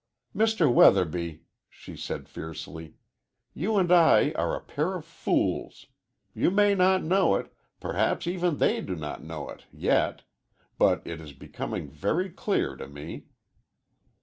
"Mr. Weatherby," she said fiercely, "you and I are a pair of fools. You may not know it perhaps even they do not know it, yet. But it is becoming very clear to me!"